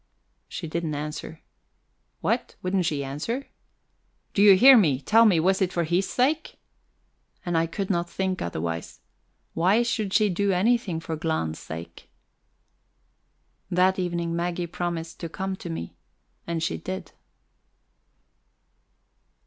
She didn't answer. What, wouldn't she answer? "Do you hear? Tell me, was it for his sake?" And I could not think otherwise. Why should she do anything for Glahn's sake? That evening Maggie promised to come to me, and she did.